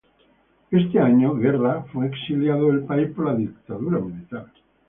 Ese año Guerra fue exiliado del país por la dictadura militar.